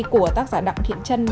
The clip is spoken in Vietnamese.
của tác giả đặng thiện trân